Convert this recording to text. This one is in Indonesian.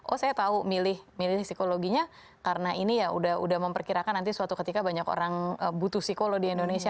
oh saya tahu milih milih psikologinya karena ini ya udah memperkirakan nanti suatu ketika banyak orang butuh psikolog di indonesia